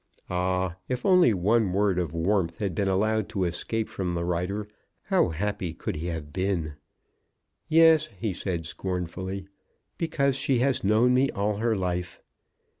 Ah, if only one word of warmth had been allowed to escape from the writer, how happy could he have been. "Yes," he said scornfully, "because she has known me all her life!"